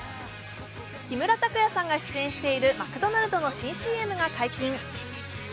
木村拓哉さんが出演しているマクドナルドの新ＣＭが解禁。